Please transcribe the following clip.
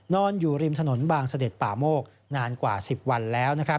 นอนอยู่ริมถนนบางเสด็จป่าโมกนานกว่า๑๐วันแล้วนะครับ